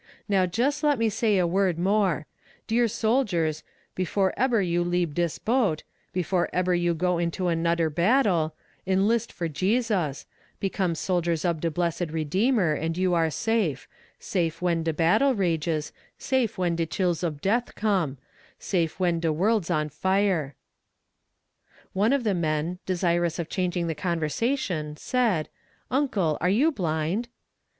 Now jes' let me say a word more: Dear soldiers before eber you lebe dis boat before eber you go into anoder battle enlist for Jesus; become soldiers ob de blessed Redeemer, and you are safe; safe when de battle rages, safe when de chills ob death come, safe when de world's on fire." One of the men, desirous of changing the conversation, said: "Uncle, are you blind?"